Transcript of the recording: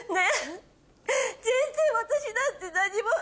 全然私なんて何も。